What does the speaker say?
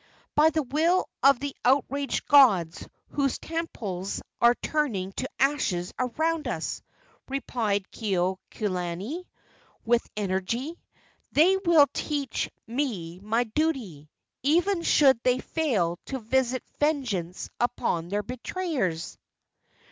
"By the will of the outraged gods whose temples are turning to ashes around us!" replied Kekuaokalani, with energy. "They will teach me my duty, even should they fail to visit vengeance upon their betrayers!"